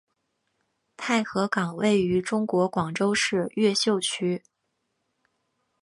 太和岗位于中国广州市越秀区。